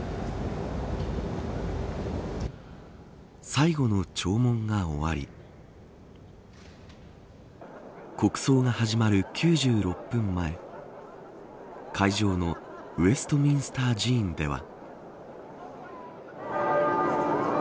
最後の弔問が終わり国葬が始まる９６分前会場のウェストミンスター寺院では。